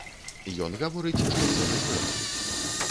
Ён гаворыць, што цэны вырастуць.